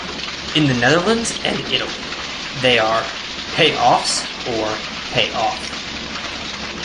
In the Netherlands and Italy, they are "pay offs" or "pay-off".